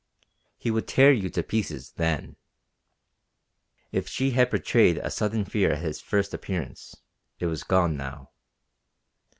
He would tear you to pieces, then." If she had betrayed a sudden fear at his first appearance, it was gone now.